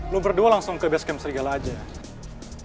lo berdua langsung ke basecamp serigala aja ya